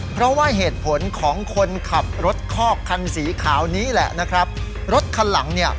เพราะว่าเหตุผลของคนขับรถคอกคันสีขาวนี้แหละนะครับรถคันหลังเนี่ย